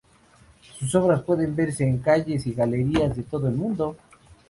Sus obras pueden verse en calles y galerías de todo el mundo.